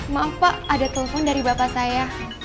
maaf pak ada telepon dari bapak saya